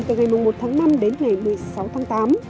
từ ngày một mươi một tháng năm đến ngày một mươi sáu tháng tám